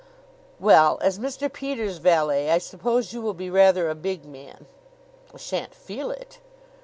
"Well, as Mr. Peters' valet, I suppose you will be rather a big man." "I shan't feel it."